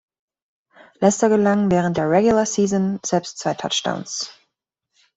Lester gelangen während der regular Season selbst zwei Touchdowns.